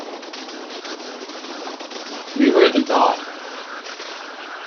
We were the God.